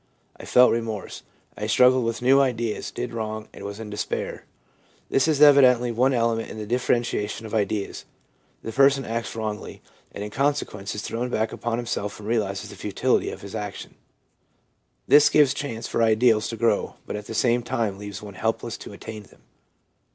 I felt remorse. I struggled with new ideas, did wrong, and was in despair/ This is evidently one element in the differentiation of ideals : the person acts wrongly, and in consequence is thrown back upon himself and realises the futility of his action. This gives chance for ideals to grow, but at the same time leaves one helpless to attain them.